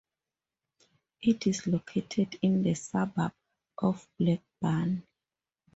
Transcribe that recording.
It is located in the suburb of Blackburn.